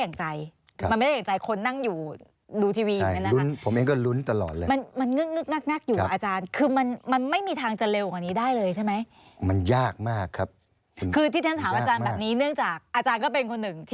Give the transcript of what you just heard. พักพวกพี่น้องเพื่อนฝูงอยู่ในนั้น